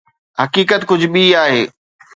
حقيقت ڪجهه ٻي آهي.